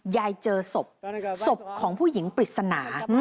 ยายเจอศพศพของผู้หญิงปริศนา